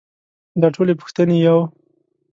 دا ټولې پوښتنې يو.